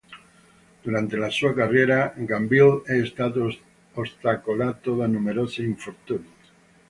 Durante la sua carriera, Gambill è stato ostacolato da numerosi infortuni.